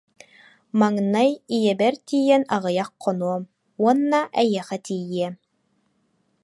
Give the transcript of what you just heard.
Маҥнай ийэбэр тиийэн аҕыйах хонуом уонна эйиэхэ тиийиэм